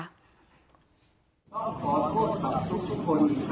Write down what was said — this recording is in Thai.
เชิงชู้สาวกับผอโรงเรียนคนนี้